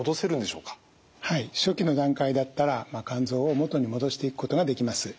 はい初期の段階だったら肝臓を元に戻していくことができます。